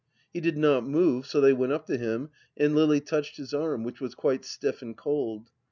He did not move, so they went up to him and Lily touched his arm, which was quite stiff and cold.